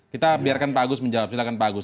kita biarkan pak agus menjawab silahkan pak agus